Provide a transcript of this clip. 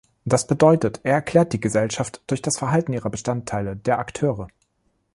Das bedeutet, er erklärt die Gesellschaft durch das Verhalten ihrer Bestandteile, der Akteure.